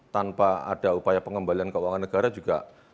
tanpa ada upaya pengembalian keuangan negara juga